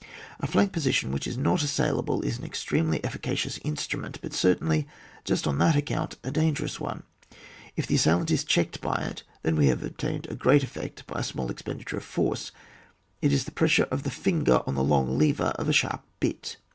A flank position which is not assailable is an extremely efficacious instrument, but certainly just on that account a dan gerous one. If the assailant is checked by it, then we have obtained a great effect by a small expenditure of force ; it is the pressure of the finger on the long lever of a sharp bit.